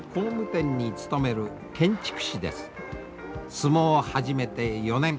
相撲を始めて４年。